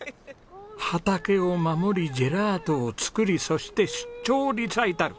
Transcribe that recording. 畑を守りジェラートを作りそして出張リサイタル